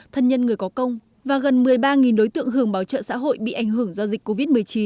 thân nhân người có công và gần một mươi ba đối tượng hưởng bảo trợ xã hội bị ảnh hưởng do dịch covid một mươi chín